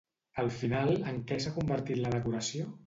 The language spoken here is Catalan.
Al final, en què s'ha convertit la decoració?